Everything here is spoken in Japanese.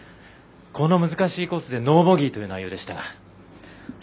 この難しいコースでノーボギーという内容でしたが。